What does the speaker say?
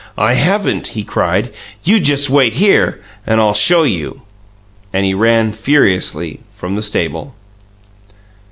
"I haven't?" he cried. "You just wait here, and I'll show you!" And he ran furiously from the stable.